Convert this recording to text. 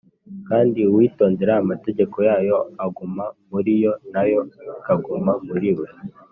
Kandi uwitondera amategeko yayo aguma muri yo na yo ikaguma muri we,